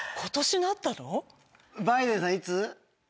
バイデンさんいつ？